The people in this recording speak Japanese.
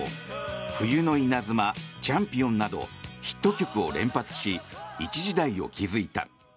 「冬の稲妻」「チャンピオン」などヒット曲を連発し一時代を築いた。